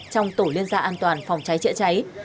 trong tổ liên gia an toàn phòng cháy chữa cháy